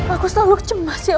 aku selalu cemas